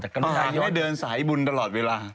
ปากให้เดินสายบุญตลอดเวลา